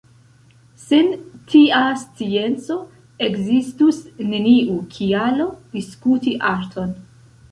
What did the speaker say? Sen tia scienco, ekzistus neniu kialo diskuti arton.